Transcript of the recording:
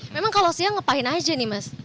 memang kalau siang ngapain aja nih mas